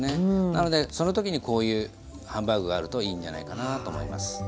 なのでその時にこういうハンバーグがあるといいんじゃないかなと思います。